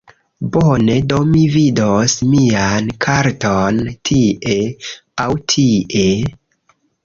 Bone, do mi vidos mian karton tie... aŭ tie?